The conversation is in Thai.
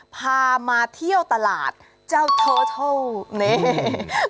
พามาเที่ยวตลาดเจ้าเทอร์เทิล